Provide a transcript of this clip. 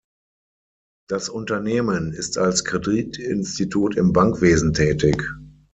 Das Unternehmen ist als Kreditinstitut im Bankwesen tätig.